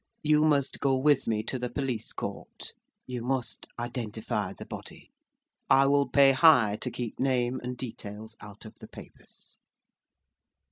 You must go with me to the Police Court; you must identify the body: I will pay high to keep name and details out of the papers."